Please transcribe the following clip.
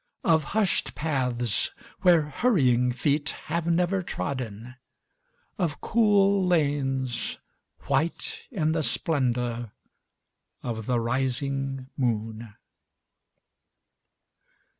Of hushed paths where hurrying feet have never trodden. Of cool lanes white in the splendor of the rising moon.